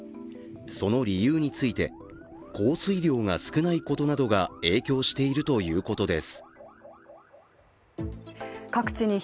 その理由について、降水量が少ないことなどが影響しているということです。